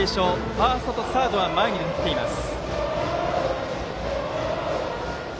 ファーストとサードは前に出てきています。